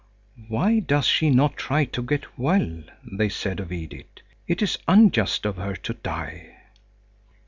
"Why does she not try to get well?" they said of Edith. "It is unjust of her to die."